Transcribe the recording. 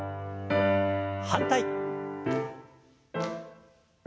反対。